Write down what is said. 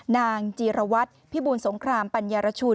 นางจีราวัตน์พี่บูนสงครามปัญญาระชุล